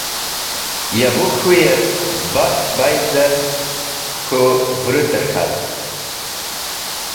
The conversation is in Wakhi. Ya bu k̃hũyev baf baydev k̃hũ vũrũter k̃hat.